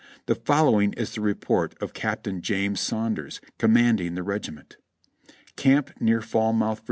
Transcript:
The following is the report of Capt. James Saunders, Commanding the Regiment : "Camp near Falmouth, Va.